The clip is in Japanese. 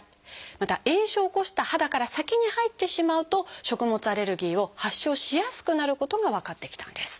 また炎症を起こした肌から先に入ってしまうと食物アレルギーを発症しやすくなることが分かってきたんです。